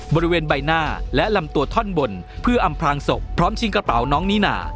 บริเวณใบหน้าและลำตัวท่อนบนเพื่ออำพลางศพพร้อมชิงกระเป๋าน้องนิน่า